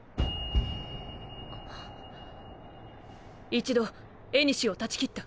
一度縁を断ち切った。